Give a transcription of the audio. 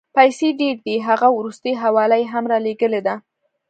پیسې ډېرې دي، هغه وروستۍ حواله یې هم رالېږلې ده.